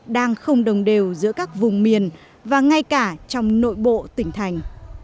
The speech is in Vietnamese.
đang không đồng đều giữa các vùng miền và ngay cả trong nội bộ tỉnh thành